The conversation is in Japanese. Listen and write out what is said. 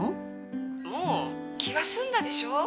もう気は済んだでしょう。